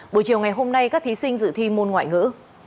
buổi chiều ngày hôm nay các thí sinh dự thi môn ngoại ngữ